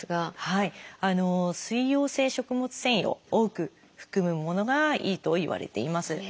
水溶性食物繊維を多く含むものがいいといわれています。